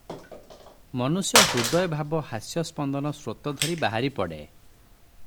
ମନୁଷ୍ୟ ହୃଦୟଭାବ ହାସ୍ୟସ୍ପନ୍ଦନ ସ୍ରୋତ ଧରି ବାହାରିପଡ଼େ ।